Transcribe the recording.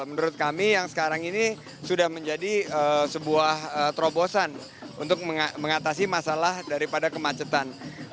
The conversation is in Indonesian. menurut kami yang sekarang ini sudah menjadi sebuah terobosan untuk mengatasi masalah daripada kemacetan